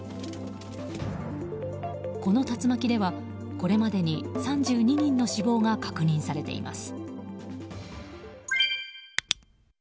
この竜巻では、これまでに３２人の死亡が確認されています。